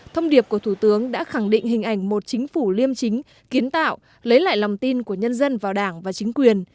thông điệp của thủ tướng đã khẳng định hình ảnh một chính phủ liêm chính kiến tạo lấy lại lòng tin của nhân dân vào đảng và chính quyền